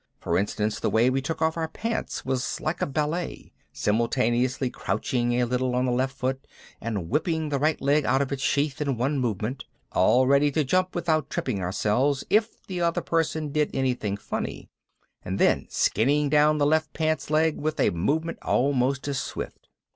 For instance the way we took off our pants was like ballet, simultaneously crouching a little on the left foot and whipping the right leg out of its sheath in one movement, all ready to jump without tripping ourselves if the other person did anything funny, and then skinning down the left pants leg with a movement almost as swift.